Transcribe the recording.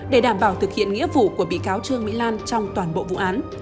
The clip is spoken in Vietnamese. để đảm bảo thực hiện nghĩa vụ của bị cáo trương mỹ lan trong toàn bộ vụ án